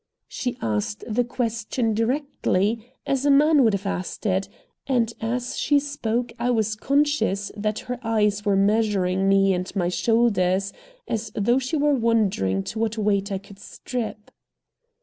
She asked the question directly, as a man would have asked it, and as she spoke I was conscious that her eyes were measuring me and my shoulders, as though she were wondering to what weight I could strip.